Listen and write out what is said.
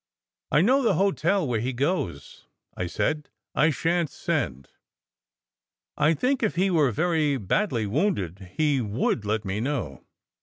" I know the hotel where he goes," I said. "I shan t send. I think if he were very badly wounded, he would let me know.